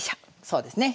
そうですね。